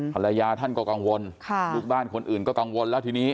ภรรยาท่านก็กังวลลูกบ้านคนอื่นก็กังวลแล้วทีนี้